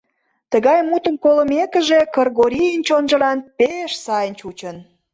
Тыгай мутым колмекыже, Кыргорийын чонжылан пеш сайын чучын.